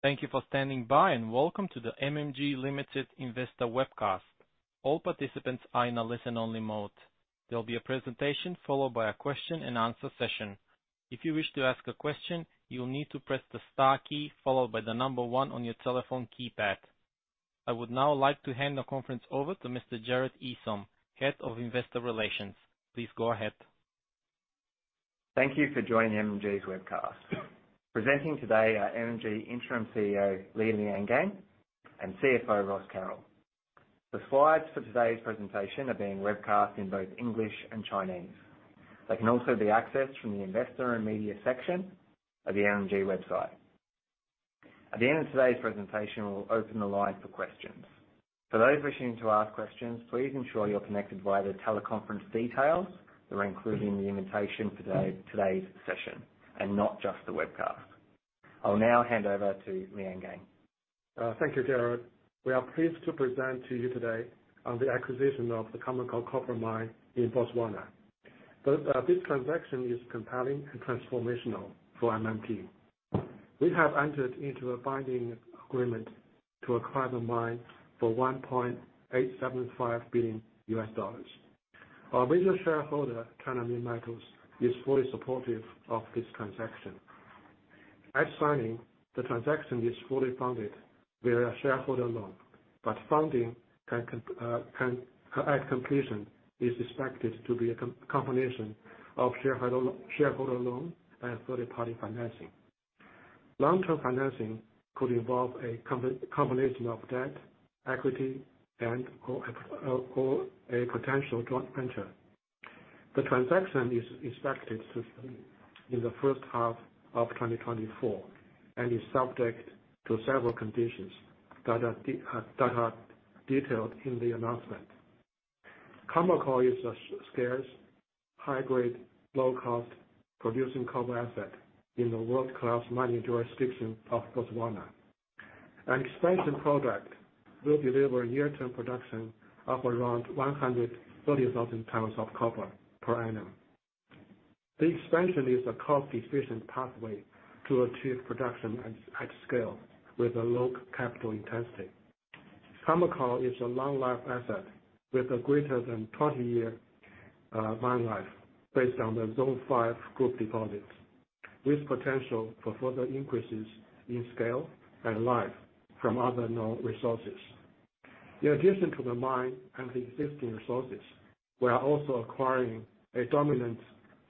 Thank you for standing by, and welcome to the MMG Limited Investor webcast. All participants are in a listen-only mode. There will be a presentation followed by a Q& A session. If you wish to ask a question, you will need to press the star key followed by the number one on your telephone keypad. I would now like to hand the conference over to Mr. Jarod Esam, Head of Investor Relations. Please go ahead. Thank you for joining MMG's webcast. Presenting today are MMG Interim CEO, Liangang Li, and CFO, Ross Carroll. The slides for today's presentation are being webcast in both English and Chinese. They can also be accessed from the Investor and Media section of the MMG website. At the end of today's presentation, we'll open the line for questions. For those wishing to ask questions, please ensure you're connected via the teleconference details that were included in the invitation for today, today's session, and not just the webcast. I'll now hand over to Liangang. Thank you, Jarod. We are pleased to present to you today on the acquisition of the Khoemacau Copper Mine in Botswana. But, this transaction is compelling and transformational for MMG. We have entered into a binding agreement to acquire the mine for $1.875 billion. Our original shareholder, China Minmetals, is fully supportive of this transaction. At signing, the transaction is fully funded via a shareholder loan, but funding, can, at completion, is expected to be a combination of shareholder loan and third-party financing. Long-term financing could involve a combination of debt, equity, and/or, or a potential joint venture. The transaction is expected to complete in the first half of 2024 and is subject to several conditions that are detailed in the announcement. Khoemacau is a scarce, high-grade, low-cost producing copper asset in the world-class mining jurisdiction of Botswana. An expansion project will deliver a near-term production of around 130,000 tons of copper per annum. The expansion is a cost-efficient pathway to achieve production at scale with a low capital intensity. Khoemacau is a long-life asset with a greater than 20-year mine life, based on the Zone 5 group deposits, with potential for further increases in scale and life from other known resources. In addition to the mine and the existing resources, we are also acquiring a dominant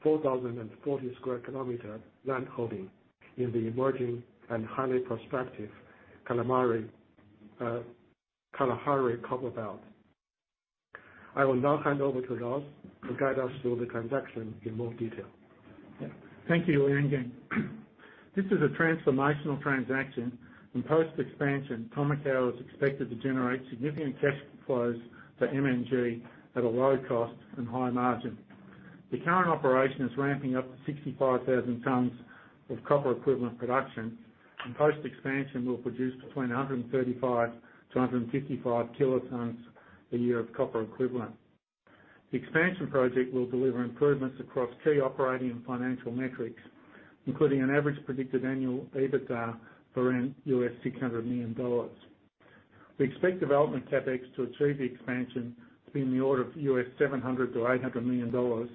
4,040 sq km land holding in the emerging and highly prospective Kalahari Copper Belt. I will now hand over to Ross to guide us through the transaction in more detail. Thank you, Liangang. This is a transformational transaction, and post-expansion, Khoemacau is expected to generate significant cash flows for MMG at a low cost and high margin. The current operation is ramping up to 65,000 tons of copper equivalent production, and post-expansion will produce between 135-155 kilotons a year of copper equivalent. The expansion project will deliver improvements across key operating and financial metrics, including an average predicted annual EBITDA around $600 million. We expect development CapEx to achieve the expansion to be in the order of $700 million-$800 million,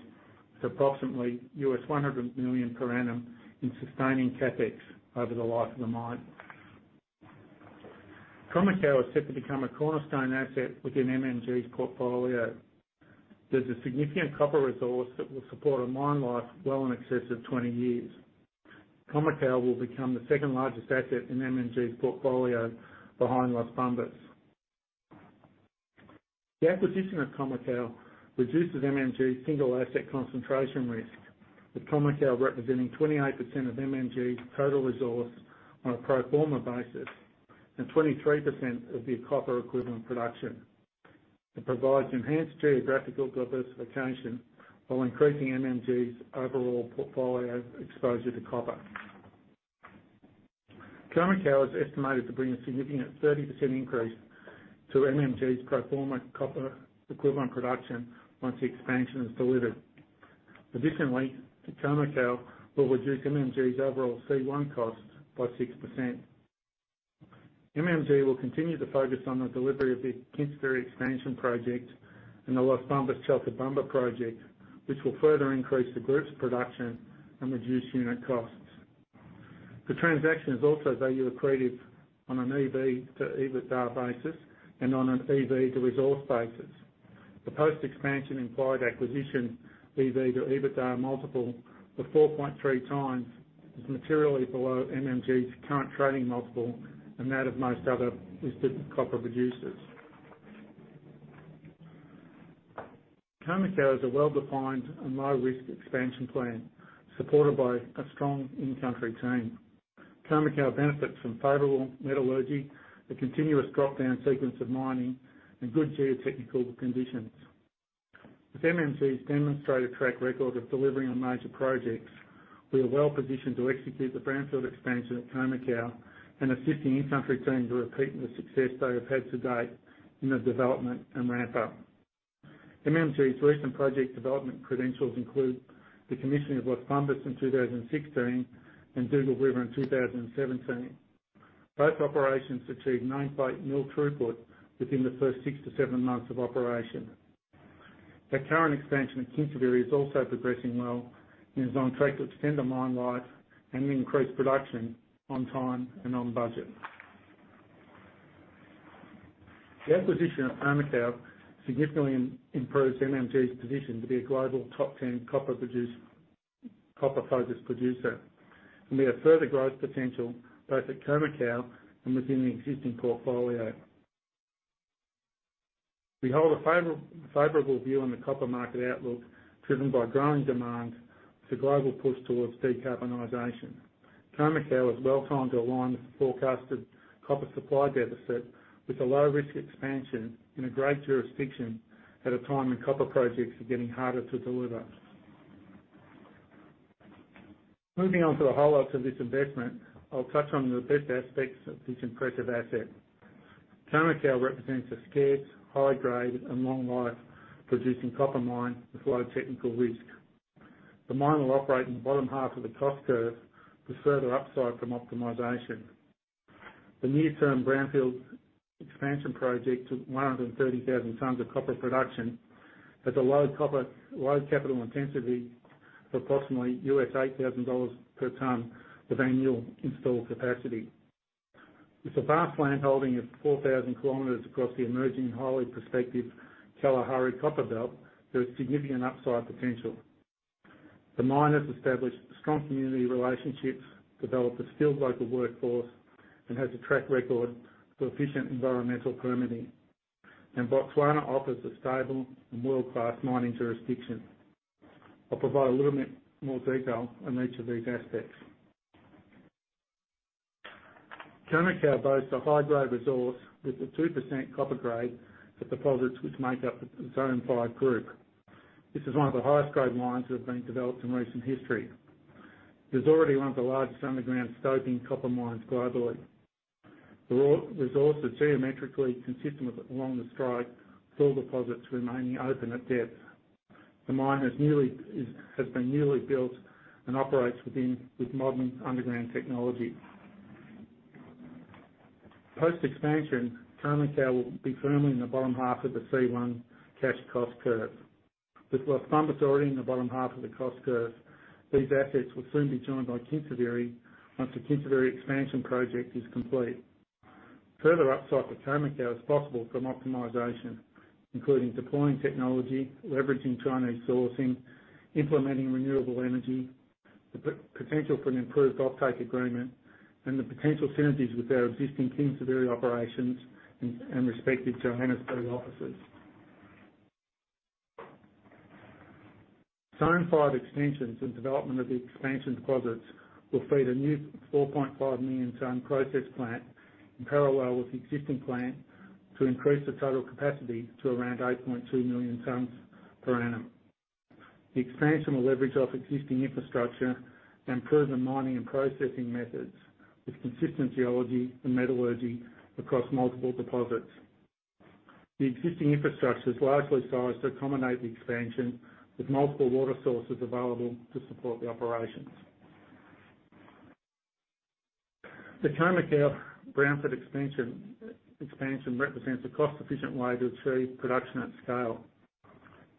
to approximately $100 million per annum in sustaining CapEx over the life of the mine. Khoemacau is set to become a cornerstone asset within MMG's portfolio. There's a significant copper resource that will support a mine life well in excess of 20 years. Khoemacau will become the second-largest asset in MMG's portfolio behind Las Bambas. The acquisition of Khoemacau reduces MMG's single asset concentration risk, with Khoemacau representing 28% of MMG's total resource on a pro forma basis, and 23% of the copper equivalent production. It provides enhanced geographical diversification while increasing MMG's overall portfolio exposure to copper. Khoemacau is estimated to bring a significant 30% increase to MMG's pro forma copper equivalent production once the expansion is delivered. Additionally, Khoemacau will reduce MMG's overall C1 costs by 6%. MMG will continue to focus on the delivery of the Kinsevere expansion project and the Las Bambas Chalcobamba project, which will further increase the group's production and reduce unit costs. The transaction is also value accretive on an EV to EBITDA basis and on an EV to resource basis. The post-expansion implied acquisition EV to EBITDA multiple for 4.3x is materially below MMG's current trading multiple and that of most other listed copper producers. Khoemacau is a well-defined and low-risk expansion plan, supported by a strong in-country team. Khoemacau benefits from favorable metallurgy, a continuous drop-down sequence of mining, and good geotechnical conditions. With MMG's demonstrated track record of delivering on major projects, we are well-positioned to execute the brownfield expansion at Khoemacau and assisting in-country teams in repeating the success they have had to date in the development and ramp up. MMG's recent project development credentials include the commissioning of Las Bambas in 2016, and Dugald River in 2017. Both operations achieved mine life throughput within the first 6-7 months of operation. The current expansion of Kinsevere is also progressing well, and is on track to extend the mine life and increase production on time and on budget. The acquisition of Khoemacau significantly improves MMG's position to be a global top 10 copper producer, copper-focused producer, and we have further growth potential, both at Khoemacau and within the existing portfolio. We hold a favorable view on the copper market outlook, driven by growing demand, with a global push towards decarbonization. Khoemacau is well-timed to align with the forecasted copper supply deficit, with a low-risk expansion in a great jurisdiction, at a time when copper projects are getting harder to deliver. Moving on to the highlights of this investment, I'll touch on the best aspects of this impressive asset. Khoemacau represents a scarce, high-grade, and long life-producing copper mine with low technical risk. The mine will operate in the bottom half of the cost curve with further upside from optimization. The near-term brownfield expansion project to 130,000 tons of copper production has a low CapEx, low capital intensity of approximately $8,000 per ton of annual installed capacity. With a vast land holding of 4,000 km across the emerging, highly prospective Kalahari Copper Belt, there is significant upside potential. The mine has established strong community relationships, developed a skilled local workforce, and has a track record for efficient environmental permitting. Botswana offers a stable and world-class mining jurisdiction. I'll provide a little bit more detail on each of these aspects. Khoemacau boasts a high-grade resource, with a 2% copper grade, for deposits which make up the Zone 5 group. This is one of the highest-grade mines that have been developed in recent history. It is already one of the largest underground starting copper mines globally. The resource is geometrically consistent with along the strike, with all deposits remaining open at depth. The mine has been newly built and operates with modern underground technology. Post-expansion, Khoemacau will be firmly in the bottom half of the C1 cash cost curve. With Las Bambas already in the bottom half of the cost curve, these assets will soon be joined by Kinsevere, once the Kinsevere expansion project is complete. Further upside with Khoemacau is possible from optimization, including deploying technology, leveraging Chinese sourcing, implementing renewable energy, the potential for an improved offtake agreement, and the potential synergies with our existing Kinsevere operations and respective Johannesburg offices. Zone 5 extensions and development of the expansion deposits will feed a new 4.5 million ton process plant, in parallel with the existing plant, to increase the total capacity to around 8.2 million tons per annum. The expansion will leverage off existing infrastructure and improve the mining and processing methods, with consistent geology and metallurgy across multiple deposits. The existing infrastructure is largely sized to accommodate the expansion, with multiple water sources available to support the operations. The Khoemacau brownfield expansion represents a cost-efficient way to achieve production at scale.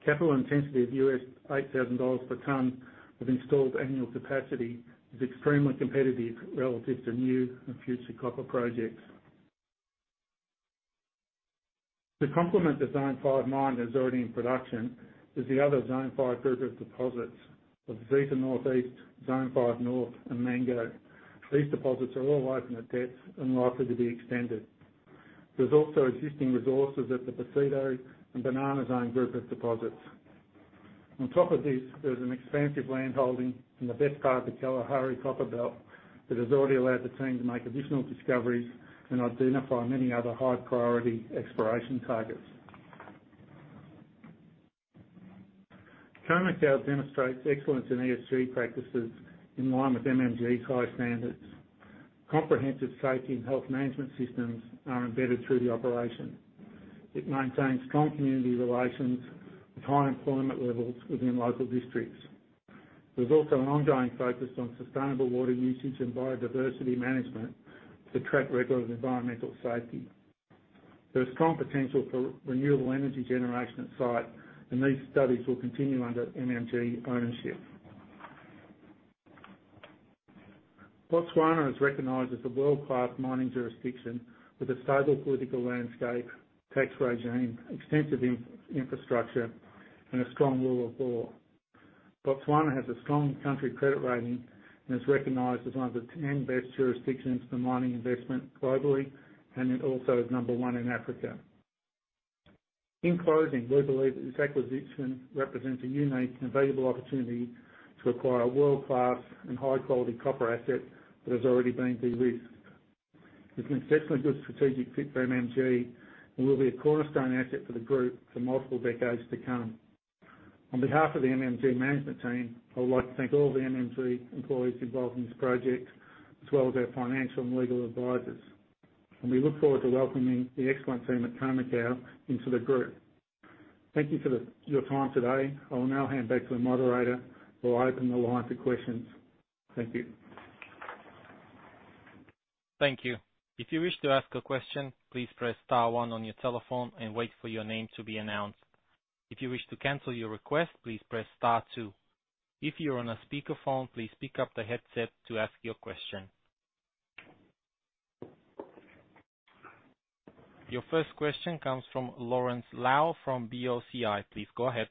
Capital intensity of $8,000 per ton of installed annual capacity is extremely competitive relative to new and future copper projects. To complement the Zone 5 mine that's already in production is the other Zone 5 group of deposits: Boseto Northeast, Zone 5 North, and Mango. These deposits are all open at depth and likely to be extended. There's also existing resources at the Boseto and Banana Zone group of deposits. On top of this, there's an expansive land holding in the best part of the Kalahari Copper Belt, that has already allowed the team to make additional discoveries and identify many other high-priority exploration targets. Khoemacau demonstrates excellence in ESG practices in line with MMG's high standards. Comprehensive safety and health management systems are embedded through the operation. It maintains strong community relations and high employment levels within local districts. There's also an ongoing focus on sustainable water usage and biodiversity management, with a track record of environmental safety. There's strong potential for renewable energy generation at site, and these studies will continue under MMG ownership. Botswana is recognized as a world-class mining jurisdiction, with a stable political landscape, tax regime, extensive infrastructure, and a strong rule of law. Botswana has a strong country credit rating and is recognized as one of the 10 best jurisdictions for mining investment globally, and it also is number one in Africa. In closing, we believe that this acquisition represents a unique and valuable opportunity to acquire a world-class and high-quality copper asset that has already been de-risked. It's an exceptionally good strategic fit for MMG, and will be a cornerstone asset for the group for multiple decades to come. On behalf of the MMG management team, I would like to thank all the MMG employees involved in this project, as well as our financial and legal advisors. We look forward to welcoming the excellent team at Khoemacau into the group. Thank you for your time today. I will now hand back to the moderator, who will open the line to questions. Thank you. Thank you. If you wish to ask a question, please press star one on your telephone and wait for your name to be announced. If you wish to cancel your request, please press star two. If you're on a speakerphone, please pick up the headset to ask your question. Your first question comes from Lawrence Lau, from BOCI. Please go ahead.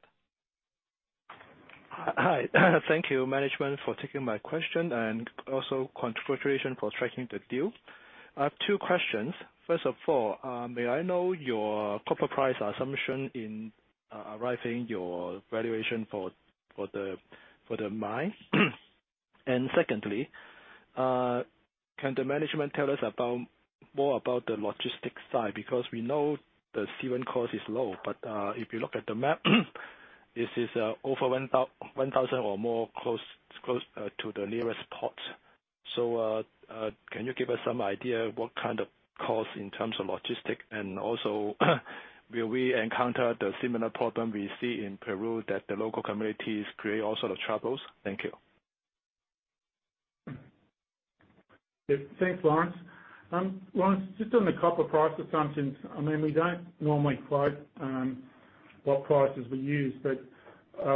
Hi. Thank you, management, for taking my question, and also congratulations for striking the deal. I have two questions. First of all, may I know your copper price assumption in arriving your valuation for the mine? And secondly, can the management tell us more about the logistics side? Because we know the seaborne cost is low, but if you look at the map, this is over 1,000 or more close to the nearest port. So, can you give us some idea what kind of costs in terms of logistics? And also, will we encounter the similar problem we see in Peru, that the local communities create all sort of troubles? Thank you. Yeah. Thanks, Lawrence. Lawrence, just on the copper price assumptions, I mean, we don't normally quote what prices we use, but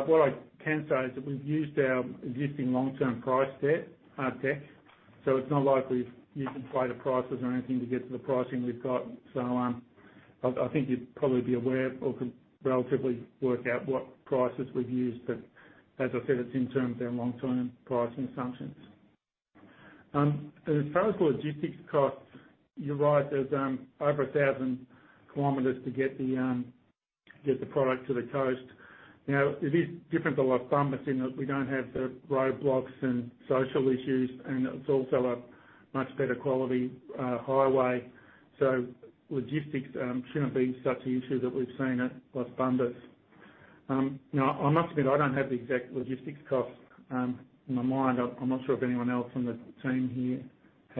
what I can say is that we've used our existing long-term price set deck. So it's not like we've used insider prices or anything to get to the pricing we've got. So, I think you'd probably be aware or could relatively work out what prices we've used. But as I said, it's in terms of our long-term pricing assumptions. As far as logistics costs, you're right, there's over 1,000 km to get the product to the coast. Now, it is different to Las Bambas in that we don't have the roadblocks and social issues, and it's also a much better quality highway. So logistics shouldn't be such an issue that we've seen at Las Bambas. Now, I must admit, I don't have the exact logistics cost in my mind. I'm not sure if anyone else on the team here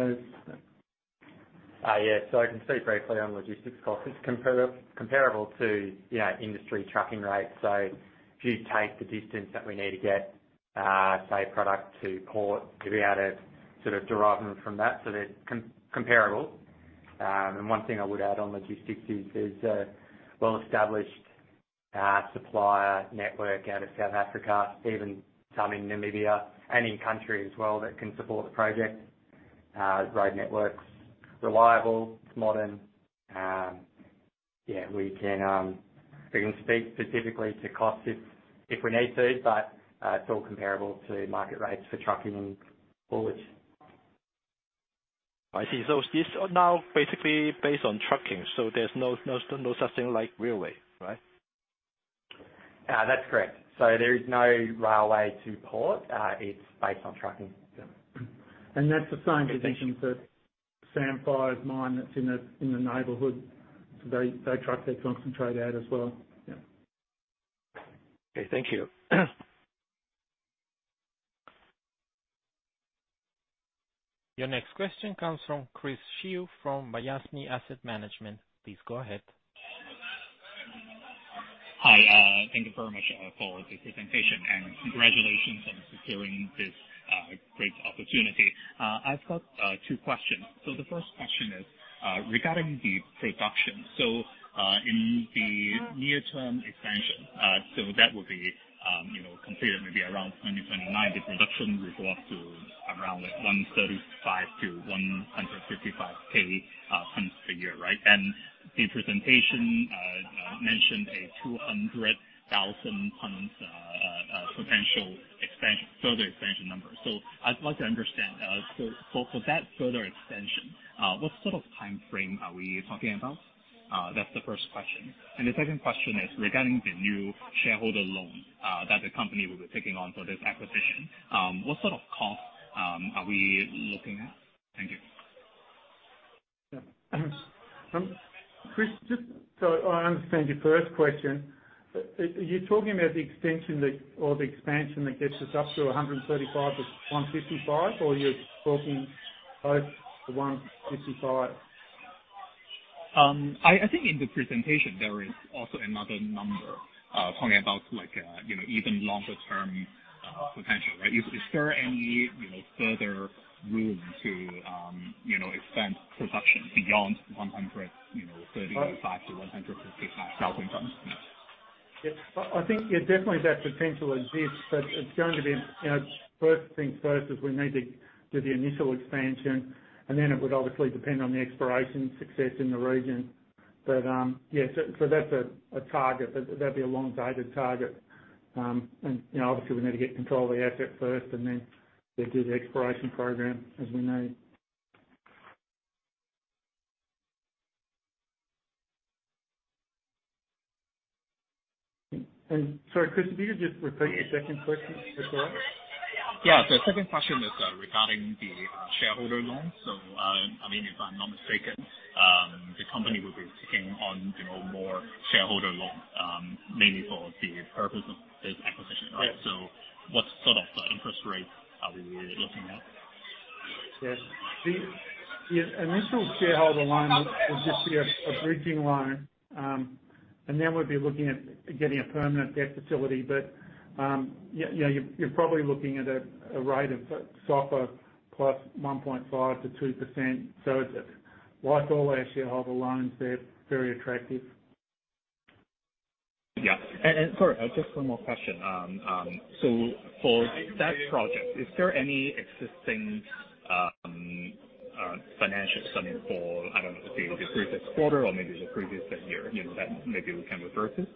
has. Yes. So I can speak briefly on logistics costs. It's comparable to, you know, industry trucking rates. So if you take the distance that we need to get, say, product to port, to be out of, sort of deriving from that, so they're comparable. And one thing I would add on logistics is, there's a well-established supplier network out of South Africa, even some in Namibia and in country as well, that can support the project. Road network's reliable, it's modern. Yeah, we can speak specifically to costs if we need to, but it's all comparable to market rates for trucking and forwards. I see. So this now basically based on trucking, so there's no, no, no such thing like railway, right? That's correct. So there is no railway to port. It's based on trucking. Yeah. And that's the same assumption for Sandfire's mine that's in the neighborhood. So they truck their concentrate out as well. Yeah. Okay, thank you. Your next question comes from Chris Xu, from Mirae Asset Management. Please go ahead. Hi, thank you very much for the presentation, and congratulations on securing this great opportunity. I've got two questions. So the first question is regarding the production. So, in the near-term expansion, so that would be, you know, considered maybe around 2029, the production would go up to around, like, 135-155 kiloton per year, right? And the presentation mentioned a 200,000 tons potential expansion, further expansion number. So I'd like to understand. So, for that further expansion, what sort of timeframe are we talking about? That's the first question. And the second question is regarding the new shareholder loan that the company will be taking on for this acquisition. What sort of cost are we looking at? Thank you. Yeah. Chris, just so I understand your first question, are you talking about the extension that or the expansion that gets us up to 135-155, or you're talking both to 155? I think in the presentation there is also another number, talking about like, you know, even longer-term potential, right? Is there any, you know, further room to, you know, expand production beyond 135,000-155,000 tons? Yeah. I think, yeah, definitely that potential exists, but it's going to be, you know, first things first, we need to do the initial expansion, and then it would obviously depend on the exploration success in the region. But, yeah, so that's a target, but that'd be a long-dated target. And, you know, obviously we need to get control of the asset first, and then we'll do the exploration program, as we know. And sorry, Chris, could you just repeat your second question? Yeah. So the second question is regarding the shareholder loan. So, I mean, if I'm not mistaken, the company will be taking on, you know, more shareholder loan mainly for the purpose of this acquisition, right? Yes. What sort of interest rates are we looking at? Yes. The initial shareholder loan will just be a bridging loan. And then we'll be looking at getting a permanent debt facility. But, yeah, you know, you're probably looking at a rate of SOFR plus 1.5%-2%. So it's, like all our shareholder loans, they're very attractive. Yeah. And, and sorry, just one more question. So for that project, is there any existing, financial study for, I don't know, the previous quarter or maybe the previous year, you know, that maybe we can refer to?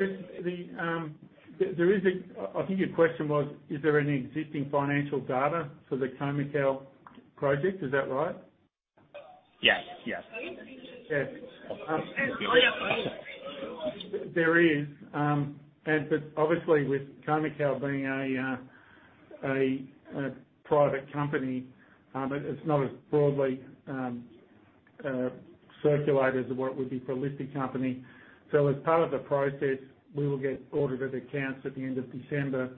I think your question was, is there any existing financial data for the Khoemacau project, is that right? Yes, yes. Yes. There is, but obviously with Cuprous Capital being a private company, it's not as broadly circulated as what it would be for a listed company. So as part of the process, we will get audited accounts at the end of December,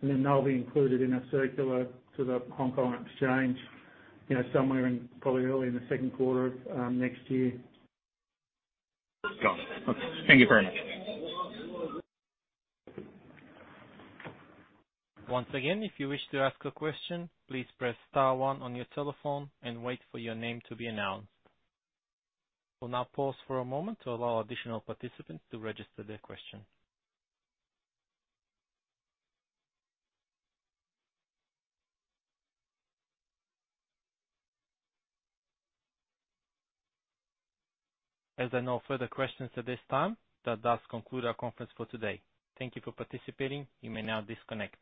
and then they'll be included in a circular to the Hong Kong Stock Exchange, you know, somewhere in probably early in the second quarter of next year. Got it. Thank you very much. Once again, if you wish to ask a question, please press star one on your telephone and wait for your name to be announced. We'll now pause for a moment to allow additional participants to register their question. As there are no further questions at this time, that does conclude our conference for today. Thank you for participating. You may now disconnect.